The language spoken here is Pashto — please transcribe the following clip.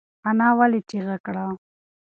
انا ولې چیغه کړه؟